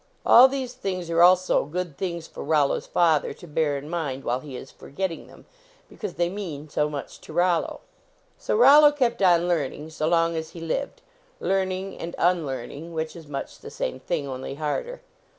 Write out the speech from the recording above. All these things are also good things for Rollo s father to bear in mind while he is forgetting them, because they mean so much to Rollo. So Rollo kept on learning so long as he lived; learning and unlearning, which is much the same thing, only harder.